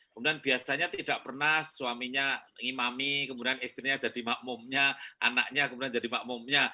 kemudian biasanya tidak pernah suaminya imami kemudian istrinya jadi makmumnya anaknya kemudian jadi makmumnya